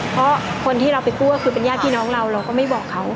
เพราะคนที่เราไปกู้ก็คือเป็นญาติพี่น้องเราเราก็ไม่บอกเขา